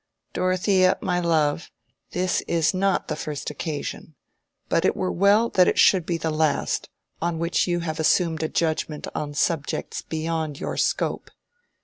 "Dorothea, my love, this is not the first occasion, but it were well that it should be the last, on which you have assumed a judgment on subjects beyond your scope.